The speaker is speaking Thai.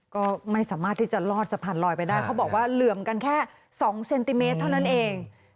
ก็ไม่สามารถที่จะลอดสะพานลอยไปได้เขาบอกว่าเหลื่อมกันแค่๒เซนติเมตรเท่านั้นเอง